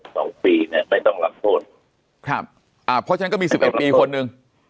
ใช่ครับเพราะฉะนั้นก็มี๑๑ปีคนนึง